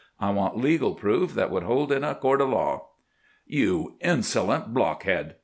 I want legal proof, that would hold in a court of law." "You insolent blockhead!"